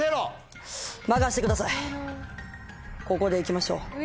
ここで行きましょう。